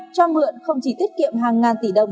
cho mượn không chỉ tiết kiệm hàng ngàn tỷ đồng